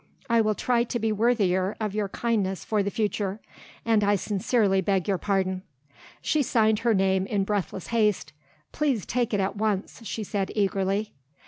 I will try to be worthier of your kindness for the future; and I sincerely beg your pardon." She signed her name in breathless haste. "Please take it at once!" she said eagerly.